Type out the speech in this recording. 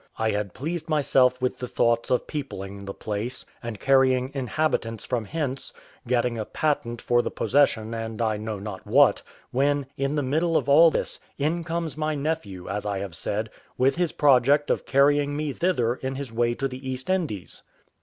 I had pleased myself with the thoughts of peopling the place, and carrying inhabitants from hence, getting a patent for the possession and I know not what; when, in the middle of all this, in comes my nephew, as I have said, with his project of carrying me thither in his way to the East Indies.